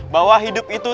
bahwa hidup itu